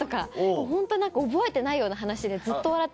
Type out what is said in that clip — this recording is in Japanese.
もうホント覚えてないような話でずっと笑ってるんですよ。